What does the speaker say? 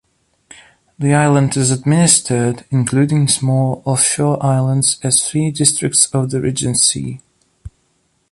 The island is administered (including small offshore islands) as three districts of the Regency.